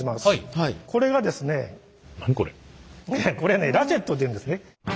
これねラチェットっていうんですね。